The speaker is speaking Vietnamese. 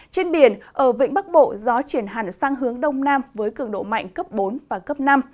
trên biển ở vĩnh bắc bộ gió chuyển hẳn sang hướng đông nam với cường độ mạnh cấp bốn và cấp năm